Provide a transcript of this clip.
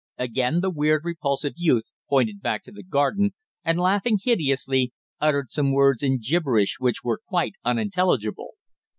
Again the weird, repulsive youth pointed back to the garden, and, laughing hideously, uttered some words in gibberish which were quite unintelligible.